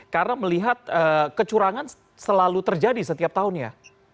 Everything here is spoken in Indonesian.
karena melihat kecurangan selalu terjadi setiap tahun ya